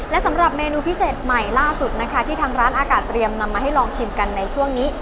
และสำหรับเมนูพิเศษใหม่ล่าสุดนะคะที่ทางร้านอากาศเตรียมนำมาให้ลองชิมกันในช่วงนี้